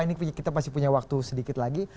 ini kita masih punya waktu sedikit lagi